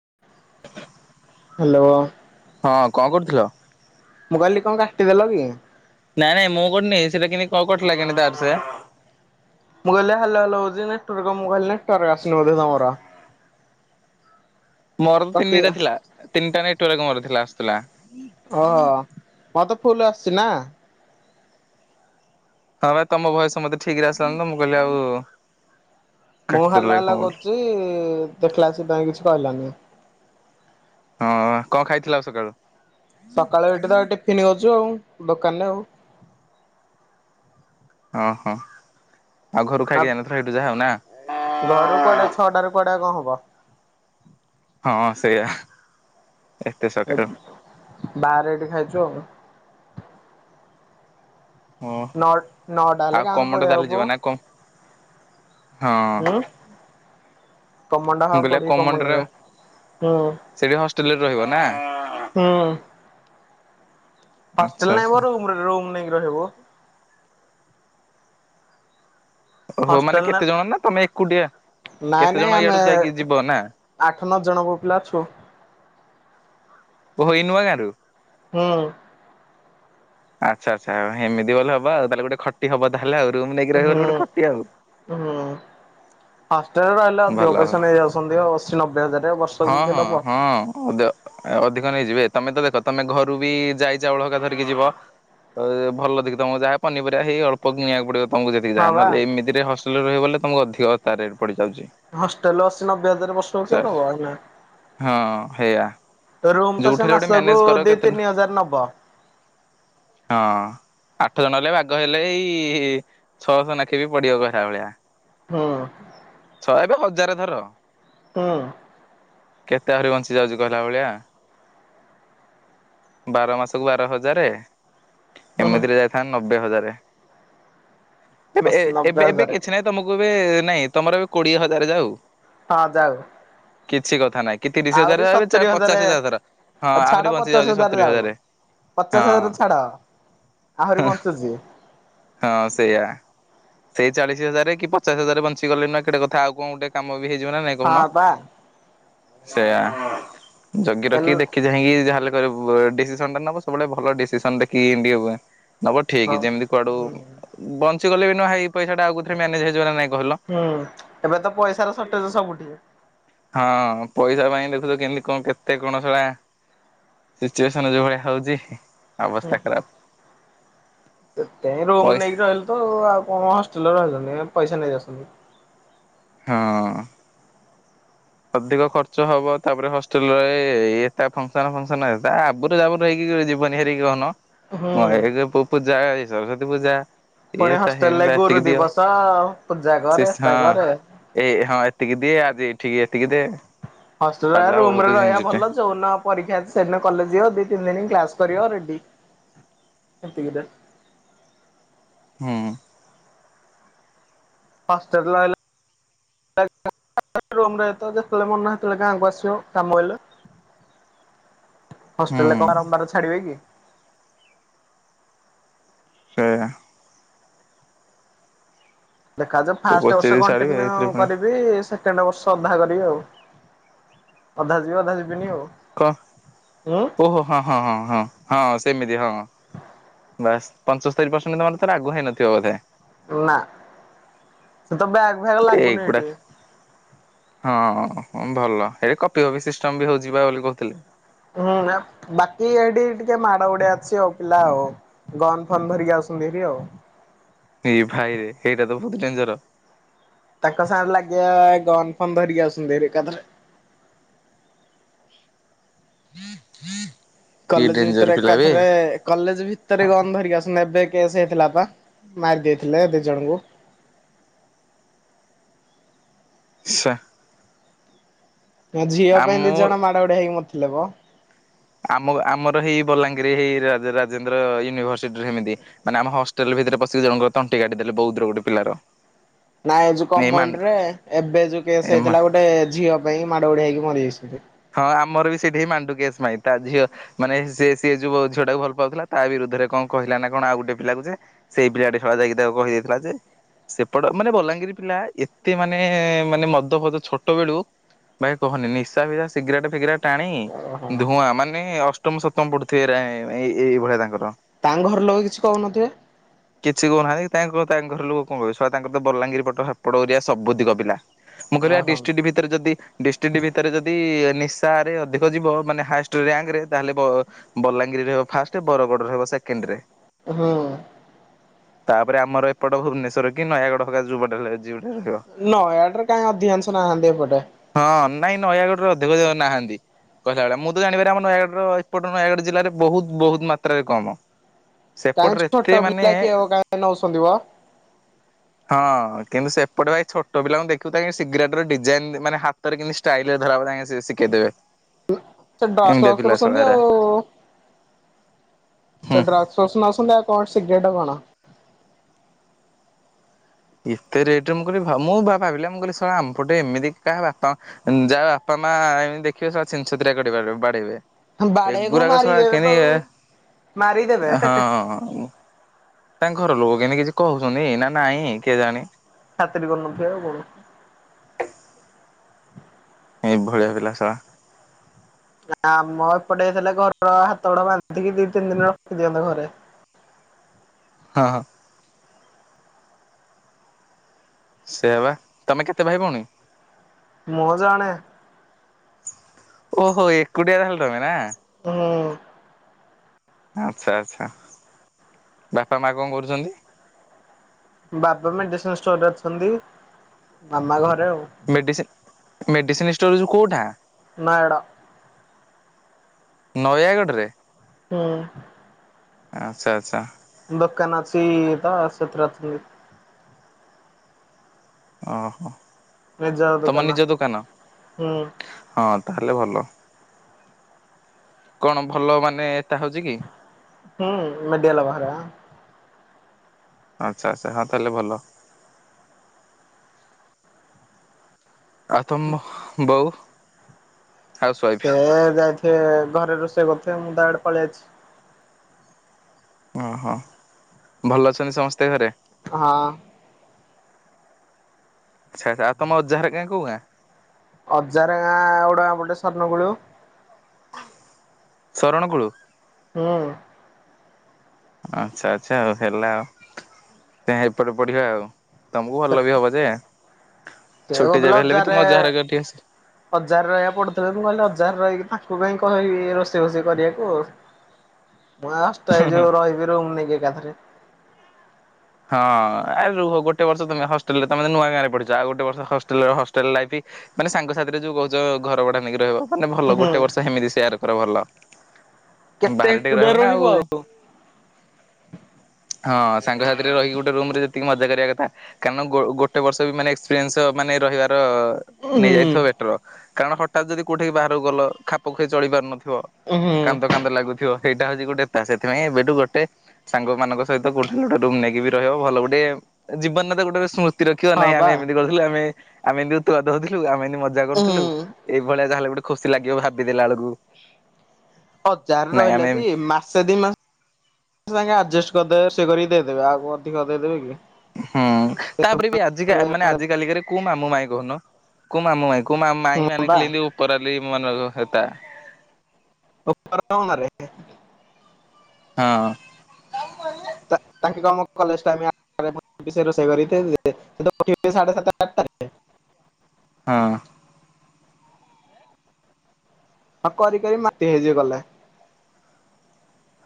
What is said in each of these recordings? [inaudible] Hello ହଁ କଣ କରୁଥିଲ? ମୁଁ କହିଲି କଣ କାଟିଦେଲ କି? ନାଇଁ ନାଇଁ ମୁଁ କଟିନି ସେଟା କେମିତି କଣ କଟିଲା କେମିତାର ସେ। ମୁ ଗଲା ହାଲୋ ହାଲୋ ହଉଛିି ନେଟୱରକ ମୁ କଇଲି ନେଟରୱର ଆସୁନି ବୋଧେ ତମର। ମୋର ତ କଟି ତିନିଟା ଥିଲା ତିନିଟା ନେ ଟୱାର୍କ ମୋର ଥିଲା। ଆସୁଥିଲା। ହଁ ମର ତ ଫୁଲ ଆସ ଛିନା ହଁ ଭାଇ ତମ ଭଏସ ମତେ ଠିକ ରେ ଆସିଲାନ ତ ମୁଁ କହିଲି ଆଉ ମୁଁ ହାଲୋ କାଟିଦେଲା କି କଣ ହାଲୋ ବୋଲି। କରୁଛି ଦେଖିଲାକୁ ସେ ତାର କିଛି କହିଲାନି। ହଁ କଣ ଖାଇଥିଲ ଆଉ ସକାଳୁ? ସକାଳୁ ଏଠି ତ ଟିଫନ୍ କରୁଛୁ ଆଉ ଦୋକାନ ରେ ଆଉ। ଓ ହୋ। ଆପ୍, ଘରୁ କୁଆଡେ ଛଅଟାରୁ କୁଆଡେ କଣ ୱ। ହଁ ସେଇଆ। ଏତେ ଏ ସକାଳୁ ବାହାରେ ଏଠି ଖାଇଛୁ ଆଉ। ହଁ ନଅ ନଅଟା ଆଉ ହେଲେ ଗାଁକୁ କମଣ୍ଡ ପଳେଇବ ତାହେଲେ ଯିବ ବୋଉ। ନା କଣ? ହଁ କମଣ୍ଡ ହଁ ମୁଁ କହିଲି ଆଉ ପଢିବି କମଣ୍ଡରେ, ହୁଁ ସେଠି ହଷ୍ଟେଲରେ ରହିବ ନା? ହୁଁ। ଆଚ୍ଛା ହଷ୍ଟେଲ ନାହିଁ ଆଚ୍ଛା। ମ ରୁମରେ ରୁମ୍ ନେଇକି ରହିବୁ। ଓହୋ ମାନେ ହଷ୍ଟେଲ ନା, କେତେ ଜଣ ତମେ ଏକୁଟିଆ କେତେ ନାଇଁ ଜଣ ନାଇଁ ଇଆଡୁ ଆମେ ଯାଇକି ଯିବ ନା ଆଠ ନଅ ଜଣ ପୁଅ ପିଲା ଅଛୁ। ଓହୋଃ ଏଇ ନୂଆ ଗାଁରୁ? ହୁଁ ଆଚ୍ଛା ଆଚ୍ଛା ଏମିତି ଗଲେ ହବା ଆଉ ତାହେଲେ ଗୋଟେ ଖଟି ହବ ତା ହେଲା ଆଉ ରୁମ୍ ନେଇକି ରହିବ ବୋଲି ହୁଁ ଗୋଟେ ଖଟି ଆଉ। [inaudible] ଲେରେ ରହିଲେ ଭଲ ଅଧିକ ଭଲ ପଇସା ନେଇଯାଉଛନ୍ତି ଆଉ ଅଶୀ ନବେ ହଜାରେ ଆଉ ବର୍ଷକୁ ହଁ କିଏ ହଁ ଦବ। ହଁ ଅଧିକ ନେଇଯିବେ ତମେ ତ ଦେଖ, ତମେ ଘରୁ ବି ଜାଇ ଚାଉଳ ହେକାଧରିକି ଯିବ, ତ ଭଲ ଦେଖି ତମକୁ ଯାହା ପନିପରିବା ହେଇ ଅଳ୍ପ କିଣିବାକୁ ପଡିବ। ତମକୁ ଯେତିକି ହଁ ଯା ବା ନହେଲେ ଏମତିରେ ହଷ୍ ହଷ୍ଟେଲରେ ରହିବାକୁ ହେଲେ ତମକୁ ଅଧିକ ତା ରେଟ୍ ପଡିଯାଉଛି। ହଷ୍ଟେଲ ଅଶି ନବେ ହଜାର ବର୍ଷକୁ କିଏ ଚାଲ ଦବ ଏଇନା। ହଁ ହେଇଆ ରୁମ୍ ତ ସେ ଯୋଉଠାରେ ଗୋଟେ ମାସକୁ ମ୍ୟାନେଜ କର ଦି କେତେ ତିନି ହଁ। ହଜାର ନବ। ଆଠ ଜଣ ହେଲେ ବାଗ ହେଲେ ଏଇଇଇ ଛଅଶ ନେଖେ ବି ପଡିବ କହିଲା ଭଳିଆ। ହୁଁ। ଜାର ଧର ହୁଁ। କେତେ ଆହୁରି ବଞ୍ଚି ଯାଉଛି କହିଲା ଭଳିଆ। ବାର ମାସକୁ ବାର ହଜାରେ ହୁଁ ହୁଁ ଏମିତିରେ ଯାଇଥାନ୍ତା ନବେ ହଜାରେ। ରେ। ତେବେ ଏ ଅଶୀ ନବେ ଏବେ ଏବେ ହଜାର କିଛି ନାହିଁ ତମକୁ ଏବେ ନାଇଁ ତମର ଏବେ କୋଡିଏ ହଜାରେ ଯାଉ ହଁ ଯାଉ। କିଛି କଥା ନାଇଁ। କି ତିରିଶ ହଜାର ଆଉ ଚା ପଚାଶ ହଜାର ଧର। ହଁ ଆଉ ଆହୁରି ଛାଡ ବଞ୍ଚି ପଚାଶ ଯାଉଛି ହଜାର ସତୁରି ଯାଉ, ହଜାରେ ପଚାଶ ହଁ ହଜାର ଛାଡ, ଆହୁରି ବଞ୍ଚୁଚି। ହଁ ସେଇଆ। ସେଇ ଚାଳିଶି ହଜାରେ କି ପଚାଶ ହଜାରେ ବଞ୍ଚି ଗଲେ ନା କେଡେ କଥା ଆଉ କଣ ଗୋଟେ କାମକୁ ହେଇଯିବ ନା ନାଇଁ କହୁନ? ହଁ ବା ସେଇୟା ଯ କି ଏନ୍ ଦେଖିଚାଇଁକି ଯାହାଲେ ଯ ଉଁ ବା ଯଦି ଡିସିସନ ଟେ ନବ ସବୁବେଳେ ଭଲ ଡିସିସନ ନିଅବା ନବ ଠିକ୍ ହଁ ଯେମିତି କୁଆଡୁ ହୁଁ। ବନ୍ [unintelligible] ପଇସା ଟା ଆଉ କୋଉଥିରେ ମ୍ୟାନେଜ୍ ହେଇଯିବ ନା ନାହିଁ କହିଲ ହୁଁ ଏବେ ତ ପଇସାର ସର୍ଟେଜ ସବୁଠି। ହଁ ପଇସା ପାଇଁ ଦେ ଖୁଚ କେମିତି କଣ କେତେ ଗୁଣଶଳା ସିଚୁଏସନ ଯୋଉ ଭଳିଆ ହଉଛି ଅବସ୍ଥା ଖରାପ। ସେତେଇଁ ରୁମ ପଇସା ନେଇକି ରହିଲୁ ତ ଆଉ କଣ ହଷ୍ଟେଲରେ ରହିଲନି ପଇସା ନେଇଯାଉଛନ୍ତି। ହଁଅଁ ଅଧିକ ଖର୍ଚ୍ଚ ହବ ତାପରେ ହଷ୍ଟେଲ ରେ ଏ ଟା ଫଙ୍କସନ ଫଙ୍କସନ ଆ ଆବୁରୁ ଯାବୁରୁ ହେଇକି ଯିବନି ହେରିକି କହୁନ। ହୁଁ। ମୁଁ ଏ ଏ ଗେ ପୂଜା ଯାଏ ସରସ୍ଵତୀ ପୂଜା ଇଏ ପୁଣି ତା ହଷ୍ଟେଲ ରେ ହେମତା ଗୋରୁ ଏତିକି ଦିଅ ଦିବସ ପୂଜା ସେ କରେ ହଁ ଏତା କରେ। ଠିଏ ଏତିକି ଦେ। ହଷ୍ଟେଲ ରହା ପାଲା ରୁମ ବହୁତ ରେ ରହିବା ଜିନିଷଟେ ଭଲ ଯୋଉନ ପରୀକ୍ଷା ଅଛି ସେଦିନ କଲେଜ ଯିବ ଦି ତିନି ଦିନି କ୍ଲାସ। କରିବ ରେଡି ଏତିକିରେ ହୁଁ ହଷ୍ଟେଲ ରହିଲେ ଯେତେବେଳେ ମନ ସେତେବେଳେ ଗାଁକୁ ଆସିବ କାମ ହେଲେ। ହୁଁ ହଷ୍ଟେଲରେ କ ବାରମ୍ବାର ଛାଡିବେ କି? ସେଇଆ ଦେଖାଯାଉ ଫାଷ୍ଟ ବର୍ଷ କୋଚିଂ ଛାଡିବେ କଣ୍ଟିନ୍ୟୁ ଏଥିରେ ପୁଣି କରିବି ସେକେଣ୍ଡ ବର୍ଷ ଅଧା କରିବି ଆଉ ଅଧା ଯିବି ଅଧା ଯିବିନି ଆଉ। କ ଉଁ ଓହୋ ହଁ ହଁ ହଁ ହଁ ହଁ ସେମିତି ହଁ। ବାସ ପଞ୍ଚସ୍ତରୀ ପରସେଣ୍ଟ ତମର ତାର ଆଗୁଆ ହେଇନଥିବ ବଧେ? ନା ସେ ତ ବ୍ୟାଗ୍ ଫ୍ୟାଗ୍ ଲାଗୁନି ଏଇଗୁଡା ଏଇଠି। ହଁ ଭଲ ଏଟି କପି ଫପି ସିଷ୍ଟମ ବି ହଉଛି ବା ବୋଲି କହୁଥିଲେ। ହୁଁ ବାକି ଏଠି ଟିକେ ମାଡ ଗୁଡେ ଅଛି ଆଉ ପିଲା ଆଉ ଗନ ଫନ ଧରିକି ଆସଛନ୍ତି ହେଠରି ଆଉ ଏଇ ଭାଇରେ ସେଇଟା ତ ବହୁତ ଡେଞ୍ଜର। ତାଙ୍କ ସାଙ୍ଗରେ ଲାଗିବା ଗନ ଫନ ଧରିକି ଆସଛନ୍ତି ଏକାଥରେ [inaudible] କଲେଜ ଡେଞ୍ଜର ଭିତରେ ପିଲା ବେ ଏକାଥରେ କଲେଜ ଭିତରେ ଗନ୍ ଧରିକି ଆସ ଏବେ କେସ୍ ହେଇଥିଲା ପା ମାରି ଦେଇେଇଥିଲେ ଦି ଜଣଙ୍କୁ। ସେ ନା ଝିଅ ପାଇଁ ଦି ଜଣ ମାଡ ଗୋଡିଆ ହେଇକି ମରଥିଲେ ବା। ଆମ ଆମର ହେଇ ବଲାଙ୍ଗୀର ହେଇ ରା ରାଜେନ୍ଦ୍ର ୟୁନିଭରସିଟି ରେ ସେମିତି ମାନେ ଆମ ହଷ୍ଟେଲ ଭିତରେ ପଶିକି ଜଣଙ୍କର ତଣ୍ଟି କାଟି ଦେଲେ ବଉଧ ର ଗୋଟେ ପିଲାର। ନାଇଁ ଯୋଉ ଏଇ ମା କମଣ୍ଡ ରେ ଏବେ ଯୋଉ କେସ ଏ ମା ହେଇଥିଲା ଗୋଟେ ଝିଅ ପାଇଁ ମାଡ ଗୋଲଆ ହେଇକି ମରିଯାଇଛି ହଁ ଆମର ବି ସେଇଠି ହି ମାଣ୍ଡୁ କେସ୍ ପାଇଁ ତା ଝିଅ ମାନେ ସିଏ ସିଏ ଯୋଉ ଝିଅ ଟାକୁ ଭଲ ପାଉଥିଲା ତା ବିରୁଦ୍ଧରେ କଣ କହିଲ ନା କଣ ଆଉ ଗୋଟେ ପିଲାକୁ ଯେ ସେଇ ପିଲାଟି ଶଳା ଯାଇକି ତାକୁ କହିଦେଇଥିଲା ଯେ ସେପଟ ମାନେ ବଲାଙ୍ଗୀର ପିଲା ଏତେ ମାନେ ମାନେ ମଦ ଫଦ ଛୋଟ ବେଳୁ ଭାଇ କହନି ନିଶା ଫିସା ସିଗରାଟ ଫିଗରାଟ ଟାଣି ଓହୋ ଧୂଆଁ ମାନେ ଅଷ୍ଟମ ସପ୍ତମ ପଡୁଥିବେ ଏରା ଏ ଏଇ ଏଇଭଳିଆ ତାଙ୍କର। ତାଙ୍କ ଘର ଲୋକ କିଛି କହୁନଥିବେ। ତାଙ୍କୁ ଆଉ ତାଙ୍କ ଘରଲୋକ କଣ କଇବେ ଶଳା ତାଙ୍କର ତ ବଲାଙ୍ଗୀର ପଟ ହେପଟ ଏରିଆ ସବୁତିକ ପିଲା। ମୁଁ କହିଲି ଆଉ ଓହୋ ଡିଷ୍ଟିଟି ଭିତରେ ଯଦି ଡିଷ୍ଟିଟି ଭିତରେ ଯଦି ନିଶାରେ ଅଧିକ ଯିବ ମାନେ ହାଏଷ୍ଟ ରିଆଙ୍କ ରେ ତାହେଲେ ବ ବଲାଙ୍ଗୀର ରେ ଫାଷ୍ଟ ବରଗଡ଼ରେ ହେବ ସେକେଣ୍ଡ ରେ। ହୁଁ। ତାପରେ ଆମର ଏପଟ ଭୁବନେଶ୍ଵର କି ନୟାଗଡ ହକା ଯୋଉପଟ ହେଲେ ଯି ନୟାଗଡ଼ ରେ କାଇଁ ଅଧିକାଂଶ ନାହାନ୍ତି ଏପଟେ। ଦେଖ ଦେଖ ନାହାନ୍ତି କହିଲା ଭଳୀଆ ମୁଁ ତ ଜାଣିବାରେ ଆମ ନୟାଗଡ଼ର ଏପଟ ନୟାଗଡ ଜିଲ୍ଲାରେ ବହୁତ ବହୁତ ମାତ୍ରାରେ କମ। କାହିଁକି ସେପଟରେ ଏତେ ଛୋଟ ମାନେ ପିଲା କି ହେବ କାଇଁ ନଉଛୁ ଶୋଦିବ। ହଁ କିନ୍ତୁ ସେପଟେ ଭାଇ ଛୋଟ ପିଲାଙ୍କୁ ଦେଖିବୁ ତାଙ୍କେ ସିଗିରାଟେ ଡିଜାଇନ ମାନେ ହାତରେ କିିମତି ଷ୍ଟାଇଲ ରେ ଧରାହବ ତା ଶିକେଇ ଦେବେ। ସେ ଡସ୍ ଫସ୍ ପସନ୍ତି ଆଉ ହୁଁ। ଡ୍ରକ୍ସ ଫକ୍ସ ନୋଉଚନ୍ତ ଆଉ କଣ ସିଗାରେଟ୍ ଏଟା କଣ ଏତେ ରେଟ ରେ ମୁଁ କହିଲି ଭା ମୁଁ ଭା ଭାବିଲି ବା ମୁଁ କହିଲି ଶଳା ଆମପଟେ ଏମିତି କାହା ବାପା ଯାହା ବାପା ମା ଏମିତି ଦେଖିବେ ଶଳା ଛିନ ଛତରିଆ କରି ବାଦେ ବଡେଇବେ। ହଁ ବାଡ଼େଇବେ କନ ମାରିଦେବେ ତ ମାରି ଦେବେ ହେଁ ହେଁ। ହଁ ତାଙ୍କ ଘର ଲୋକ କେମତି କିଛି କହୁଛନ୍ତି ନା ନାଇଁ କେଜାଣି। ଖାତିରି କରୁନଥିବେ ଆଉ କଣ। ଏଇ ଭଳିଆ ପିଲା ଶଳା- ନା ଆମ ଏପଟେ ହେଇଥିଲେ ଘର ହାତ ଗୋଡ ବାନ୍ଧିକି ଦି ତିନି ଦିନ ରଖିଦିଅନ୍ତେ ଘରେ। ହଁ ହଁ। ସେଇଆ ବା ତମେ କେତେ ଭାଇ ଭଉଣୀ? ମୁଁ ଜଣେ। ଓହୋ ଏକୁଟିିଆ ତାହେଲେ ତମେ ନା। ହୁଁ। ଆଛା ଆଚ୍ଛା ବାପା ମା କଣ କରୁଛନ୍ତି? ବାବା ମେଡିସିନ ଷ୍ଟୋରରେ ଅଛନ୍ତି ମାମା ଘରେ ଆଉ। ମେଡ଼ିସିନ ମେଡିସିନ ଷ୍ଟୋର ଯୋଉ କୋଉଟା? ନୟାଗଡ଼। ନୟାଗଡ଼ରେ। ହୁଁ ଆଚ୍ଛା ଆଚ୍ଛା ଦୋକାନ ଅଛି ତ ସେଥିରେ ଅଛନ୍ତି। ଓହୋ। ତମର ନିଜ ଦୋକାନ ହୁଁ। ହଁ ତାହଲେ ଭଲ କଣ ଭଲ ମାନେ ଏଟା ହେଉଚି କି? ହୁଁ [unintelligible] ଆଚ୍ଛା ଆଚ୍ଛା ହଁ ତାହଲେ ଭଲ। ଆଉ ତମ ବୋଉ। ହାଉସ୍ ୱାଇଫ୍ ସେ ଯାଇଥିବେ ଘରେ ରୋଷେଇ କରୁ ସେ ମୁଁ ଦଡିପାଳେ ଅଛି। ଓହୋ ଭଲ ଅଛନ୍ତି ସମସ୍ତେ ଘରେ। ହଁ। ଆଚ୍ଛା ଆଚ୍ଛା ଆ ତମ ଅଜାଘର ଗାଁ କୋଉ ଗାଁ? ଅଜାର ଗାଁ ଉଡା ଗୋଟେ ଅନୁଗୁଳୁ। ଶରଣ କୁଳୁ ହୁଁ। ଆଚ୍ଛା ଆଚ୍ଛା ଆଉ ହେଲା ଆଉ ଏପଟେ ପଢିବା ଆଉ। ତମକୁ ସେ ଭଲ ବି ହବ ଯେ। ସେ ଛୁଟି କୋହୁଥିଲେ ଯେବେ ହେଲେ ବି ତମ ଅଜାରେ ଘର ଘରଠିକି ଅଜା ଆସିବ। ଘରରେ ରହିବାକୁ ପଢୁଥିଲେବି ମୁଁ କହିଲି ଅଜା ଘରରେ ରହିକିନା [unintelligible] ରୋଷେଇ ଫୋଷେଇ କରିବାକୁ ମୁଁ ଏ ହଷ୍ଟେ ଏ ଯୋଉ ରହିବି ରୁମ ନେଇକି ଏକାଥରେ। ହଁ ଆରେ ରୁହ ଗୋଟେ ବର୍ଷ ତମେ ହଷ୍ଟେଲ ରେ ତମେ ନୂଆ ଗାଁରେ ପଢିଛ ଆଉ ଗୋଟେ ବର୍ଷ ହଷ୍ଟେଲ ହଷ୍ଟେଲ୍ ଲାଇଫି ମାନେ ସାଙ୍ଗ ସାଥିରେ ଯୋଉ କୋହୁଚ ଘର ଭଢା ନେଇକି ରହିବ। ମାନେ ଭଲ ହୁଁ ଗୋଟେ ବର୍ଷ ହେମିତି ସେୟାର କର ଭଲ। କେତେ ବାହାରେ ଟିକେ ଏକୁଟିଆ ରହିବ ନା ରହିବୁ ଆଉ ହଁ ସାଙ୍ଗ ସା ଗୋଟେ ରୁମ ରେ ଯେତିକି ମଜା କରିବା କଥା କାରଣ ଗୋ ଗୋଟେ ବର୍ଷ ବି ମାନେ ଏକ୍ସପିରିଏନ୍ସ ମାନେ ରହିବାର। ହୁଁ ନେଇଯାଇଥିବ ବେଟର କାରଣ ହ ତାର ଯଦି କୋଉଠିକି ବାହାରକୁ ଗଲ ଖାପ ଖୁଆଇ ଚଳି ପାରୁନଥିବ। ଥିବ ହୁଁ କାନ୍ଦ କାନ୍ଦ ଲାଗୁଥିବ। ସେଇଟା ହୋଉଚି ଗୋଟେ ପା [unintelligible] ସେଥିପାଇଁ ଏବେଠୁ ଗୋଟେ ସାଙ୍ଗମାନଙ୍କ ସହିତ କୋଉଠି ଗୋଟେ ରୁମ୍ ନେଇ ବି ରହିବ ଭଲ ଗୋଟେ ଜୀବନରେ ତ ଗୋଟେ ସ୍ମୃ ତି ରଖିବା ହଁ ନାଇଁ ବା ଆମେ ଏମିତି କରିୁଥିଲେ ଆମେ ଆମେ ଏମିତି ଉତୁପାତ ହୋଉଥିଲୁ ଆମେ ଏମିତି ମଜା ହୁଁ କରୁଥିଲୁ ଏଇଭଳିଆ ଯା ହେଲେ ଗୋଟେ ଖୁସି ଲାଗିବ ଭାବି ଦେଲା ବେଳକୁ। ହଜାରେ ନାଇଁ ରହିଲେ ଆମେ ବି ଏମିତି ମାସେ ଦି ମାସ ସାଙ୍ଗେ ଆଡଜେଷ୍ଟ କରିଦେ ସେ କରିିକି ଦେଇଦେବେ କାହାକୁ ଅଧିକ ଦେଇଦେବେ କି? ହଁ ତାପରେ ବି ଆଜିକା ଆଜି କାଲିକାରେ କୋଉ ମାମୁଁ ମାଇ‌ଁ କୋହୁନ। କୋଉ ମାମୁଁ ମାଇଁ କୋଉ ମା ମାଇଁ ହଁ ମାନେ ବା ଖାଲି ଏମିତି ଉପରାଲି ମାନଙ୍କ ସେତା [inaudible] ହଁ ମାରେ କେ ହଁ। ତା-ତାଙ୍କ କାମ କଲେଜ୍ ଟାଇମ୍ ଆଟାରେ ମୁଁ [inaudible] ସେ ରୋଷେଇ କରିକି ଥୋଇଦେବେ, ସିଏ ତ ଉଠିବେ ସାଢେ ସାତଟା ଆଟାରେ ହଁ। ହଁ କରି କରି ମାଟି ହେଇଯିବୁ କଲେ।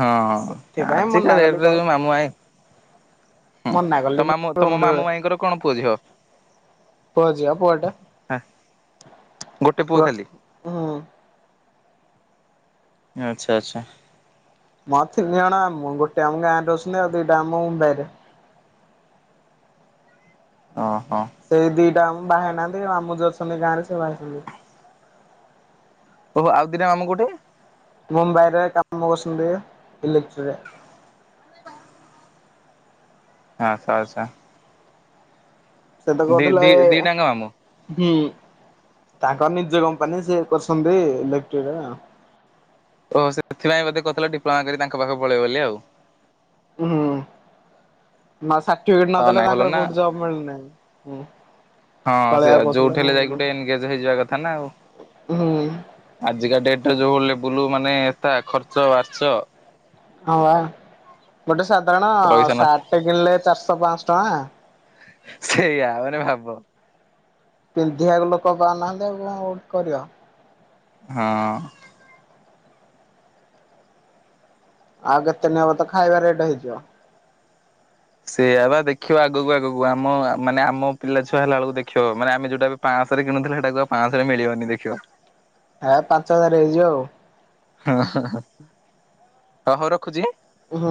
ହଁ ଆଜିକା ମନା ଡେଟ୍ କଲି ରେ କଣ ଯୋଉ ମାମୁଁ ମାଇଁ, ହଁ ମନା କଲି ତ ମାମୁଁ ମୁଁ ତୋମ ରୁମରେ ରହେ ମାମୁଁ ମାଇଁ ଙ୍କର କଣ ପୁଅ ଝିଅ? ପୁଅ ଝିଅ ପୁଅଟେ ହେଁ ଗୋଟେ ପୁଅ ଖାଲି। ହୁଁ ଆଚ୍ଛା ଆଚ୍ଛା। ମା ଥିନ ଜଣ ଆ, ମାମୁଁ ଗୋଟେ ଆମ ଗାଁ ରେ ରହୁଛନ୍ତି, ଆଉ ଦୁଇଟା ମାମୁଁ ମୁମ୍ବାଇ ରେ। ଓହୋ ସେଇ ଦିଟା ମାମୁଁ ବାହା ହେଇ ନାହାନ୍ତି, ମାମୁଁ ଯୋଉ ଅଛନ୍ତି ଗାଁରେ ସିଏ ବାହା ହେଇଛନ୍ତି। ଓହୋ ଆଉ ଦିଟା ମାମୁଁ କୋଉଠି? ମୁମ୍ବାଇରେ କାମ କରୁଛନ୍ତି ଇଲେକ୍ଟ୍ରିକ ରେ। ଆ ଆଚ୍ଛା, ଆଚ୍ଛା। ସେତ ଦି କହୁଥିଲା ଦି ଏ, ଦିଟାଙ୍କ ମାମୁଁ। ହୁଁ ତାଙ୍କ ନିଜ କମ୍ପାନୀ ସେ କରଛନ୍ତି ଇଲେକ୍ଟ୍ରି ରେ। ଓହୋ ସେଥିପାଇଁ ବୋଧେ କହୁଥିଲ ଡିପ୍ଲୋମା କରି ତାଙ୍କ ପାଖକୁ ପଳେଇ ବୋଲି ଆଉ। ଉଁ, ହୁଁ ହୁଁ, ମା ସା ଫିଟ ହଁ ନଦେଲେ ନାଇଁ ଭଲ ପାଖର ନା କୋଉଠି ଜବ୍ ମିଳୁନାଇଁ। ହୁଁ। ହଁ ସେୟା ପଳେଇବାକୁ କହୁଥିଲା ଯୋଉଠି ହେଲେ ଯାଇକି ହୁଁ ଗୋଟ ଏନଗେଜ୍ ହେଇଯିବା କଥା ନା ଆଉ, ହଁ ଆଜିକା ଡେଟ୍ ଯୋଉ ଲେବୁଲୁ ମାନେ ଏଟା ଖର୍ଚ୍ଚ ବାର୍ଚ ହଁ ବା ଗୋଟେ ସାଧାରଣ ପଇସା ନ ସାର୍ଟ ଟେ କିଣିଲେ ଚାରିଶହ ପାଁଶହ ଟଙ୍କା। ସେଇୟା ଆଉ ମାନେ ଭାବ ପିନ୍ଧିବାକୁ ଲୋକ ପାଉନାହାନ୍ତି ଆଉ କଣ କରିବ। ହଁ। ଆଉ କେତେ ଦିନ ହବ ତ ଖାଇବା ରେଟ୍ ହେଇଯିବ। ସେଇଆ ବା ଦେଖିବ ଆଗକୁ ଆଗକୁ ଆମ ଆ, ମାନେ ଆମ ପିଲା ଛୁଆ ହେଲା ବେଳକୁ ଦେଖିବ, ମାନେ ଆମେ ଯୋଉଟା ଏବେ ପାଁଶରେ କିଣୁଥିଲେ ସେଟାକୁ ଆଉ ପାଁଶରେ ମିଳିବନି ଦେଖିବ। ଏ ପାଞ୍ଚ ହଜାର ହେଇଯିବ ଆଉ। ହଁ, ହଁ, ହଁ ହୋ ହଉ ରଖୁଚି। ହଁ।